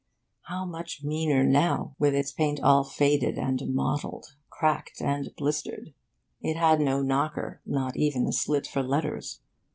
How much meaner now, with its paint all faded and mottled, cracked and blistered! It had no knocker, not even a slit for letters.